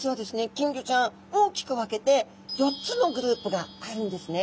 金魚ちゃん大きく分けて４つのグループがあるんですね。